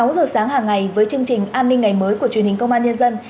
sáu giờ sáng hàng ngày với chương trình an ninh ngày mới của truyền hình công an nhân dân